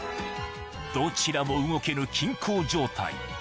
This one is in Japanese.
どちらも動けぬ均衡状態